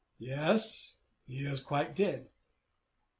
"Yes." "Is he quite dead?"